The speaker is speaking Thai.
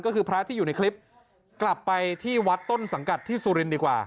ก็คือพระที่อยู่ในคลิปกลับไปที่วัดต้นสังกัดที่สุรินทร์ดีกว่า